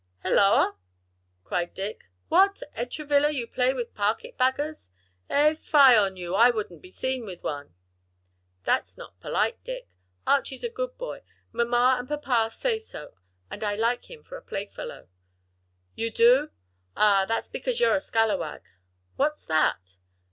"Hilloa!" cried Dick, "what! Ed Travilla, you play with carpet baggers, eh? fie on you! I wouldn't be seen with one." "That's not polite, Dick. Archie's a good boy; mamma and papa says so; and I like him for a playfellow." "You do? ah, that's because you're a scalawag." "What's that?"